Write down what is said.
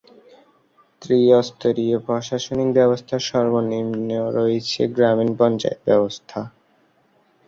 ত্রিস্তরীয় প্রশাসনিক ব্যবস্থার সর্বনিম্ন রয়েছে গ্রামীণ পঞ্চায়েত ব্যবস্থা।